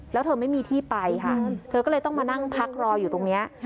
แล้วเธอไม่มีที่ไปค่ะเธอก็เลยต้องมานั่งพักรออยู่ตรงนี้